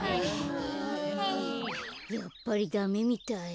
やっぱりダメみたい。